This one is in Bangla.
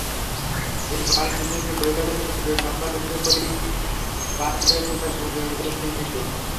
এই পাহাড়ের শীর্ষস্থানে বহিরাগত ফুলের সম্ভার যুক্ত কটি পার্ক রয়েছে, যা বিনোদনের উদ্দেশ্যে নির্মিত।